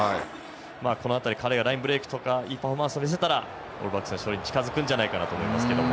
この辺り彼がラインブレークとかいいパフォーマンスを見せるとオールブラックスは勝利に近づくと思います。